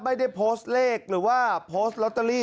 ไม่ได้โพสต์เลขหรือว่าโพสต์ลอตเตอรี่